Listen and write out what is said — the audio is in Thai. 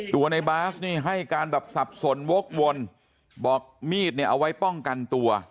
ในบาสนี่ให้การแบบสับสนวกวนบอกมีดเนี่ยเอาไว้ป้องกันตัว